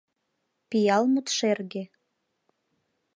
Пиал мут шерге.